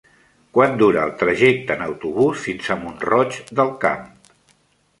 Quant dura el trajecte en autobús fins a Mont-roig del Camp?